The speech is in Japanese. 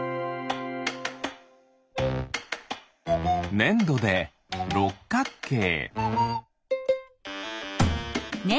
ねんどでろっかっけい。